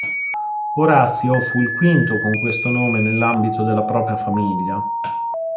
Orazio fu il quinto con questo nome nell'ambito della propria famiglia.